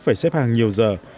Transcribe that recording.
phải xếp hàng nhiều giờ